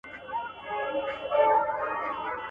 دولتي پوهنتون په اسانۍ سره نه منظوریږي.